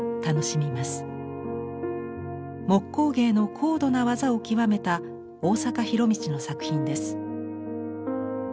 木工芸の高度な技を極めた大坂弘道の作品です。